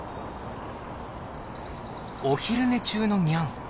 お昼寝中のニャン。